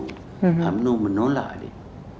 umno menolak dia